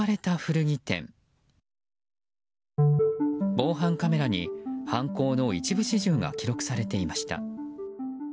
防犯カメラに犯行の一部始終が記録されていました。